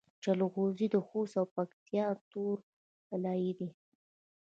جلغوزي د خوست او پکتیا تور طلایی دي